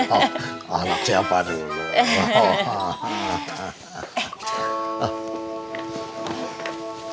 oh anak siapa dulu